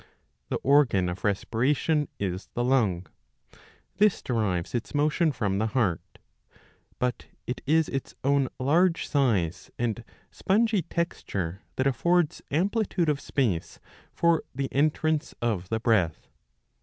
The organ of respiration is the lung. This derives its motion from the heart ; but it is its own large size and spongy texture that affords amplitude of space for the entrance of the breath.